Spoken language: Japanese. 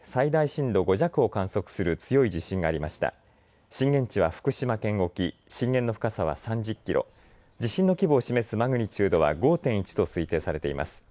震源地は福島県沖、震源の深さは３０キロ、地震の規模を示すマグニチュードは５．１と推定されています。